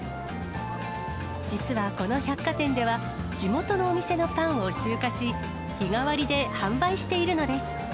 実はこの百貨店では、地元のお店のパンを集荷し、日替わりで販売しているのです。